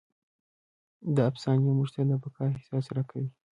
دا افسانې موږ ته د بقا احساس راکوي.